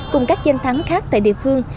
cùng các danh thắng khác tại địa phương